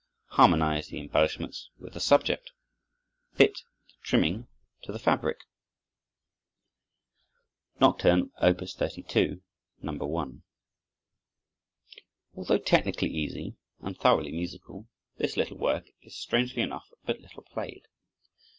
Harmonize the embellishments with the subject! Fit the trimming to the fabric! Chopin: Nocturne, Op. 32, No. 1 Although technically easy and thoroughly musical, this little work is strangely enough but little played.